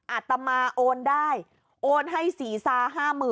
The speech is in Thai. อาตมาโอนได้โอนให้ศรีซา๕๐๐๐